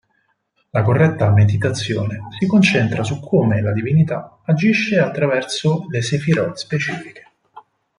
La corretta meditazione si concentra su come la Divinità agisce attraverso le Sephirot specifiche.